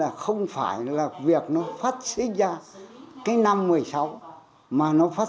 ents philosophy và cũng cũng với những chương trình không nội dung vốn đầu tư của cánaben